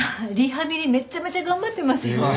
リハビリめちゃめちゃ頑張ってますよ。